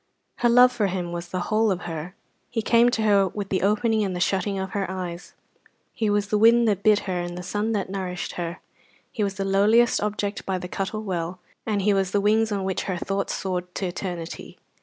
Her love for him was the whole of her. He came to her with the opening and the shutting of her eyes; he was the wind that bit her and the sun that nourished her; he was the lowliest object by the Cuttle Well, and he was the wings on which her thoughts soared to eternity.